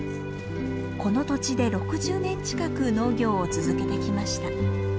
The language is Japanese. この土地で６０年近く農業を続けてきました。